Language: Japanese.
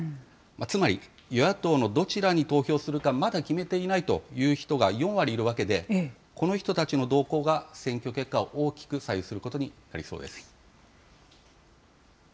つまり与野党のどちらに投票するかまだ決めていないという人が４割いるわけで、この人たちの動向が選挙結果を大きく左右すること次です。